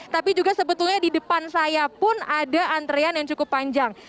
tapi juga sebetulnya di depan saya pun ada antrean yang cukup panjang